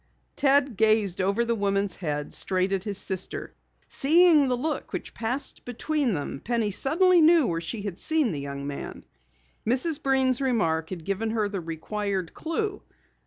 Ted gazed over the woman's head, straight at his sister. Seeing the look which passed between them, Penny suddenly knew where she had seen the young man. Mrs. Breen's remark had given her the required clue.